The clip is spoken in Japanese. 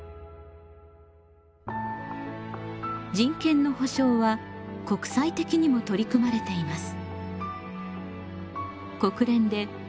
人権の保障は国際的にも取り組まれています。